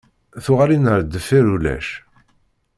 Tuɣalin ar deffir ulac.